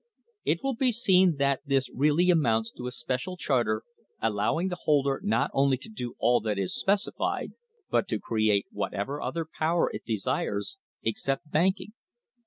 It will be seen that this really amounts to a special charter allowing the holder not only to do all that is Specified, but to create whatever other power it desires, ex cept banking.